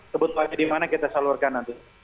kebutuhan dimana kita salurkan nanti